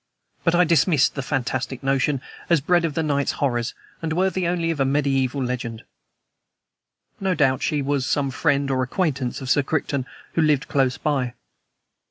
But I dismissed the fantastic notion as bred of the night's horrors, and worthy only of a mediaeval legend. No doubt she was some friend or acquaintance of Sir Crichton who lived close by.